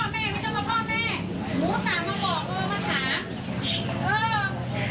ของอยู่ว่าเด็กมันไม่ค่อยเจอไม่ค่อยเจอคนอย่างนี้